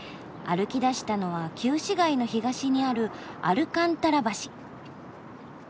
歩きだしたのは旧市街の東にあるアルカンタラ橋。